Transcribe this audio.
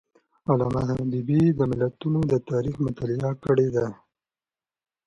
علامه حبیبي د ملتونو د تاریخ مطالعه کړې ده.